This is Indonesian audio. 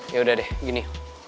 ya udah deh gini